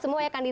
dulu gak gini